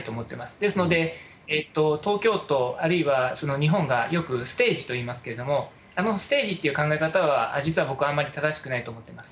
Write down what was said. ですので、東京都、あるいは日本が、よくステージと言いますけども、あのステージという考え方は、実は僕、あんまり正しくないと思ってます。